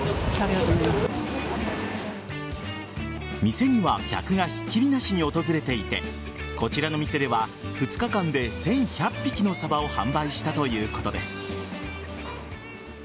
店には客がひっきりなしに訪れていてこちらの店では２日間で１１００匹のサバを販売したということです。